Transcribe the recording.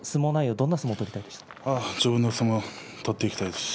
どんな相撲を取りたいですか。